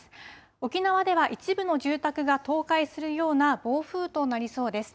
沖縄では一部の住宅が倒壊するような暴風となりそうです。